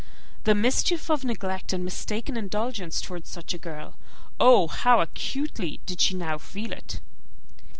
The mischief of neglect and mistaken indulgence towards such a girl oh! how acutely did she now feel it!